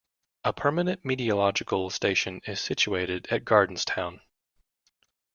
A permanent meteorological station is situated at Gardenstown.